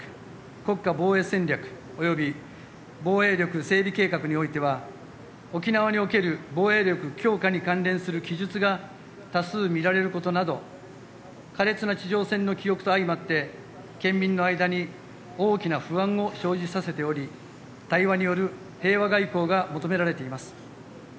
国家防衛戦略及び防衛力整備計画においては沖縄における防衛力強化に関連する記述が多数見られることなど苛烈な地上戦の記憶と相まって県民の間に大きな不安を生じさせており対話による平和外交が求められています。